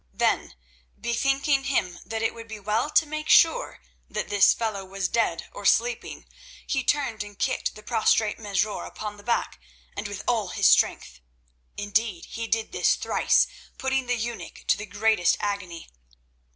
Then bethinking him that it would be well to make sure that this fellow was dead or sleeping, he turned and kicked the prostrate Mesrour upon the back and with all his strength. Indeed, he did this thrice, putting the eunuch to the greatest agony.